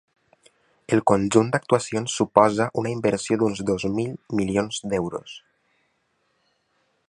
El conjunt d’actuacions suposa una inversió d’uns dos milions d’euros.